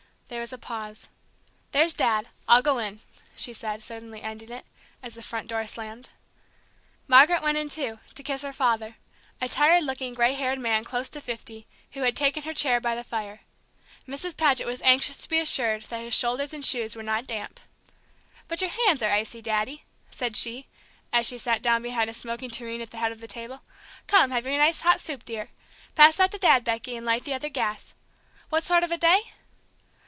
There was a pause. "There's Dad. I'll go in," she said, suddenly ending it, as the front door slammed. Margaret went in, too, to kiss her father; a tired looking, gray haired man close to fifty, who had taken her chair by the fire. Mrs. Paget was anxious to be assured that his shoulders and shoes were not damp. "But your hands are icy, Daddy," said she, as she sat down behind a smoking tureen at the head of the table. "Come, have your nice hot soup, dear. Pass that to Dad, Becky, and light the other gas. What sort of a day?"